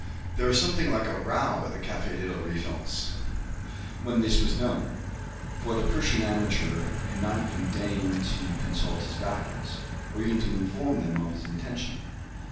There was something like a row at the Café de la Régence when this was known, for the Prussian amateur had not even deigned to consult his backers, or even to inform them of his intention.